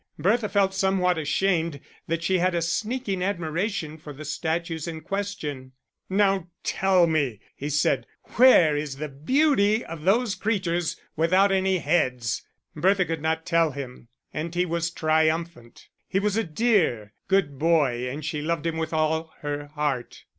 Bertha felt somewhat ashamed that she had a sneaking admiration for the statues in question. "Now tell me," he said, "where is the beauty of those creatures without any heads?" Bertha could not tell him, and he was triumphant. He was a dear, good boy and she loved him with all her heart!